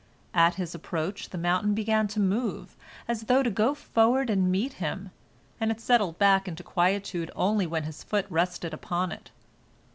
At his approach the mountain began to move, as though to go forward and meet him, and it settled back into quietude only when his foot rested upon it.